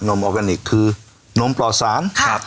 นมออร์แกนิคคือนมปลอดศาล